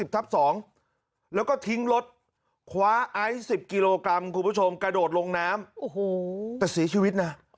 ๓๐ทับ๒แล้วก็ทิ้งรถคว้าไอ้๑๐กิโลกรัมคุณผู้ชมกระโดดลงน้ำโอ้โหแต่สีชีวิตน่ะ